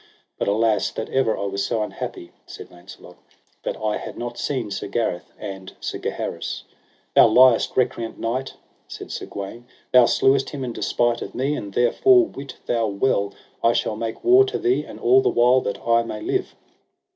But alas that ever I was so unhappy, said Launcelot, that I had not seen Sir Gareth and Sir Gaheris. Thou liest, recreant knight, said Sir Gawaine, thou slewest him in despite of me; and therefore, wit thou well I shall make war to thee, and all the while that I may live.